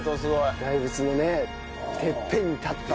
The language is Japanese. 大仏のねてっぺんに立ってる。